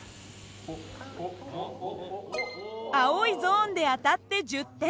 青いゾーンで当たって１０点。